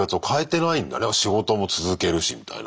仕事も続けるしみたいな。